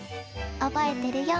覚えてるよ